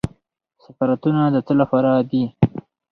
سفارتونه د څه لپاره دي؟